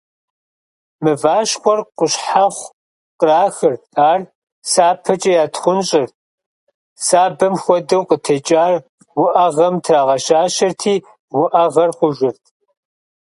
Мыващхъуэр къущхьэхъу кърахырт, ар сапэкӀэ ятхъунщӀырт, сабэм хуэдэу къытекӀар уӀэгъэм трагъэщащэрти, уӀэгъэр хъужырт.